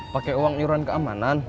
pake uang nyuruhan keamanan